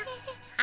あ。